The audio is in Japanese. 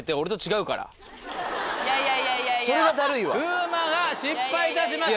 風磨が失敗いたしました。